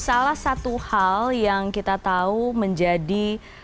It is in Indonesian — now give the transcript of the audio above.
salah satu hal yang kita tahu menjadi